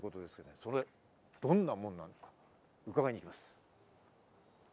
それ、どんなものなのかうかがいます。